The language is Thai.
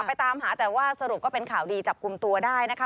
ไปตามหาแต่ว่าสรุปก็เป็นข่าวดีจับกลุ่มตัวได้นะคะ